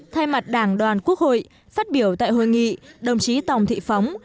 thay mặt đảng đoàn quốc hội phát biểu tại hội nghị đồng chí tòng thị phóng